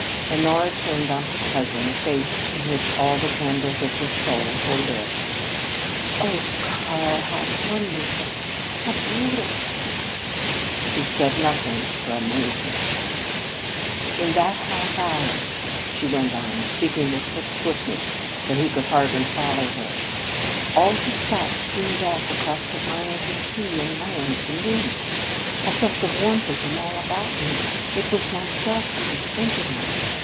Honora turned on her cousin a face in which all the candles of her soul were lit. "Oh, Karl, how wonderful! How beautiful!" He said nothing for amazement. "In that half hour," she went on, speaking with such swiftness that he could hardly follow her, "all his thoughts streamed off across the miles of sea and land to me! I felt the warmth of them all about me. It was myself he was thinking of.